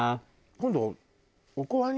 今度。